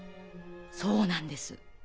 そうなんです。